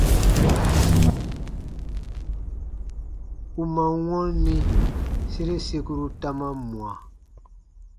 U man wɔnni, sere sekuru ta man mwa.